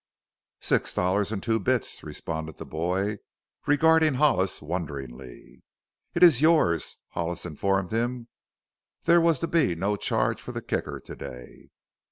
"Six dollars an' two bits," responded the boy, regarding Hollis wonderingly. "It is yours," Hollis informed him; "there was to be no charge for the Kicker to day."